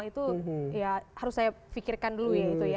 itu ya harus saya pikirkan dulu ya